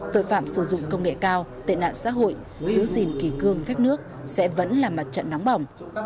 tội phạm sử dụng công nghệ cao tệ nạn xã hội giữ gìn kỳ cương phép nước sẽ vẫn là mặt trận nóng bỏng